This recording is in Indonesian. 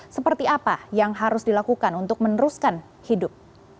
seperti apa yang harus dilakukan untuk meneruskan hidup